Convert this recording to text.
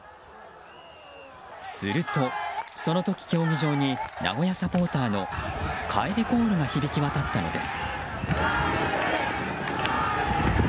するとその時、競技場に名古屋サポーターの帰れコールが響き渡ったのです。